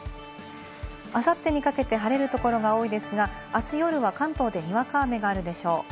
あさってにかけて晴れるところが多いですが、あす夜は関東でにわか雨があるでしょう。